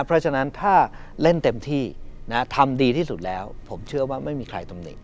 เพราะฉะนั้นถ้าเล่นเต็มที่ทำดีที่สุดแล้วผมเชื่อว่าไม่มีใครตำหนิ